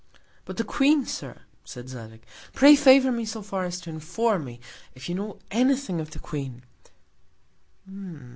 But the Queen, Sir, said Zadig; pray favour me so far, as to inform me, if you know any Thing of the Queen.